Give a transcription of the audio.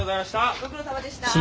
ご苦労さまでした。